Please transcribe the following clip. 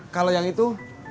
kalau yang itu